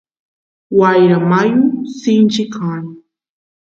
wayra muyu sinchi kan